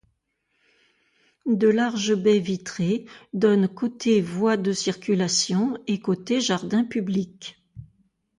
De larges baies vitrées donnent côté voie de circulation et côté jardin public.